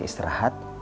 bisa banyak istirahat